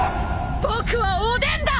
僕はおでんだ！